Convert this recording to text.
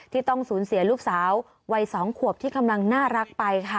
ที่ต้องสูญเสียลูกสาววัย๒ขวบที่กำลังน่ารักไปค่ะ